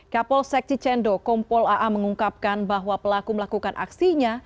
kapol sekci cendo kompol aa mengungkapkan bahwa pelaku melakukan aksinya